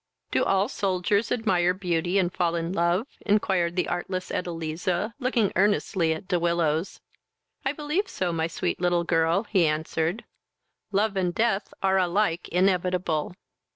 "Do all soldiers admire beauty, and fall in love?" inquired the artless Edeliza, looking earnestly at De Willows. "I believe so, my sweet little girl, (he answered;) love and death are alike inevitable."